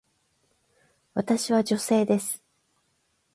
私は女性です。